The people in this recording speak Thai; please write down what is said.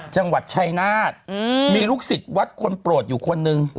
จังหวัดชายนาฏมีลูกศิษย์วัดคนโปรดอยู่คนนึง